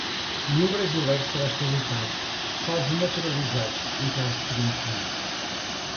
nenhum brasileiro será extraditado, salvo o naturalizado, em caso de crime comum